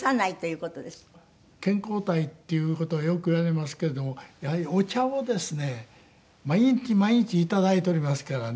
健康体っていう事はよく言われますけれどもやはりお茶をですね毎日毎日いただいておりますからね。